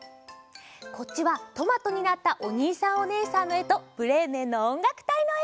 こっちはトマトになったおにいさんおねえさんのえと「ブレーメンのおんがくたい」のえ！